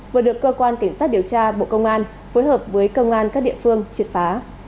vừa được cơ quan cảnh sát điều tra bộ công an phối hợp với công an các địa phương triệt phá